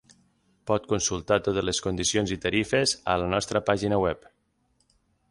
Pot consultar totes les condicions i tarifes a la nostra pàgina web.